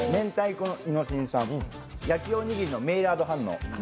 このイノシン酸、焼きおにぎりのメイラード反応。